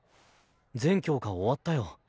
全教科終わったよ。